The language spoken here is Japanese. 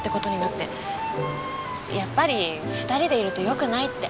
やっぱり２人でいるとよくないって。